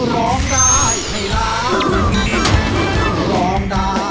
ร้องได้ให้ร้าง